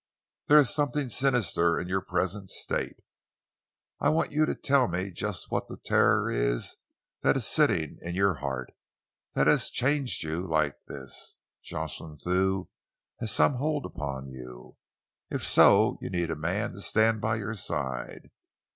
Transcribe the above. There is something sinister in your present state. I want you to tell me just what the terror is that is sitting in your heart, that has changed you like this. Jocelyn Thew has some hold upon you. If so, you need a man to stand by your side.